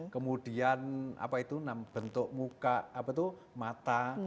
kemudian bentuk muka mata